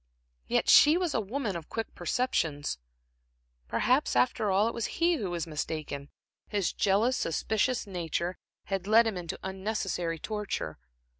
Yet she was a woman of quick perceptions. Perhaps, after all, it was he who was mistaken; his jealous, suspicious nature had led him into unnecessary torture.